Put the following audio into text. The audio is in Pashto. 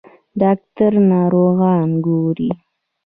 ډاکټر ناروغان ګوري.